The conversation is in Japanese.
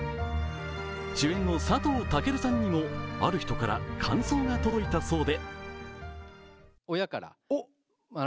主演の佐藤健さんにもある人から感想が届いたそうで。